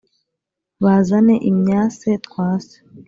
bazane imyase twase